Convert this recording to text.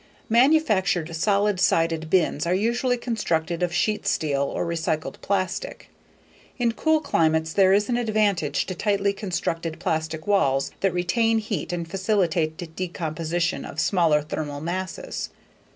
Manufactured solid sided bins are usually constructed of sheet steel or recycled plastic. In cool climates there is an advantage to tightly constructed plastic walls that retain heat and facilitate decomposition of smaller thermal masses.